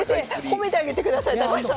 褒めてあげてください高橋さん。